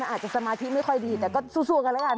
อาจจะสมาธิไม่ค่อยดีแต่ก็สู้กันแล้วกัน